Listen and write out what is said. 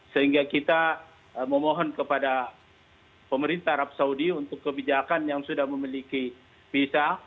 sehingga kita memohon kepada pemerintah arab saudi untuk kebijakan yang sudah memiliki visa